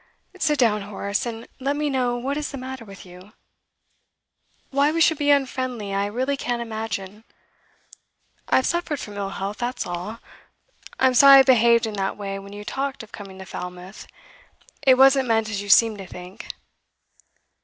'Sit down, Horace, and let me know what is the matter with you. Why we should be unfriendly, I really can't imagine. I have suffered from ill health, that's all. I'm sorry I behaved in that way when you talked of coming to Falmouth; it wasn't meant as you seem to think.